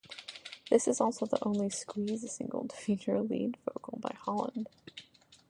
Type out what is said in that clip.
This is also the only Squeeze single to feature a lead vocal by Holland.